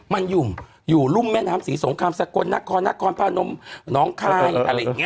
มันอยู่อยู่รุ่มแม่น้ำศรีสงครามสกลนครนครพนมน้องคายอะไรอย่างนี้